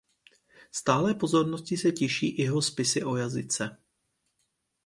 Stálé pozornosti se těší i jeho spisy o jazyce.